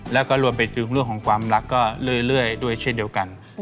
แล้วก็รวมไปถึงเรื่องของความรักก็เรื่อยด้วยเช่นเดียวกัน